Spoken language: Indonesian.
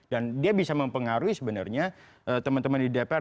dan dia bisa mempengaruhi sebenarnya teman teman di dpr